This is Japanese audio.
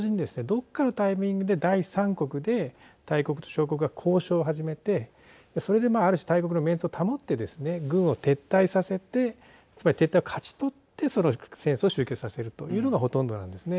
どこかのタイミングで第三国で大国と小国が交渉を始めてそれである種大国のメンツを保って軍を撤退させてつまり撤退を勝ち取って戦争を終結させるというのがほとんどなんですね。